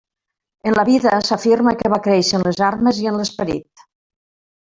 En la vida s'afirma que va créixer en les armes i en l'esperit.